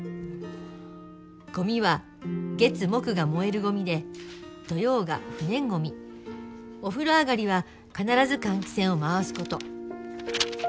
「ゴミは月木が燃えるゴミで土曜が不燃ゴミ」「お風呂上がりは必ず換気扇を回すこと」